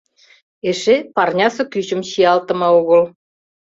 Эше парнясе кӱчым чиялтыме огыл.